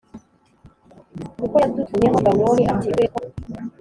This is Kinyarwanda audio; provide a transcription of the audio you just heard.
kuko yadutumyeho i Babuloni ati Uburetwa